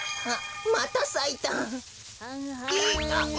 あっ！